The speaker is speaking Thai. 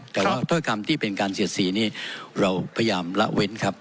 แต่ว่าถ้อยคำที่เป็นการเสียดสีนี้เราพยายามละเว้นครับ